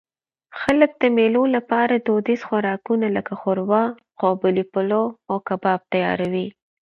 خلک د مېلو له پاره دودیز خوراکونه؛ لکه ښوروا، قابلي پلو، او کباب تیاروي.